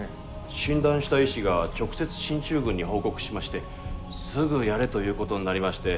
診断した医師が直接進駐軍に報告しましてすぐやれということになりまして飛んできた次第です。